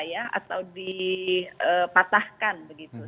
ya atau dipatahkan begitu